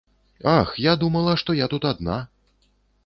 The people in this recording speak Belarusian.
Ах, я думала, што я тут адна.